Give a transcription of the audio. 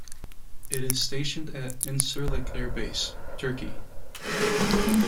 It is stationed at Incirlik Air Base, Turkey.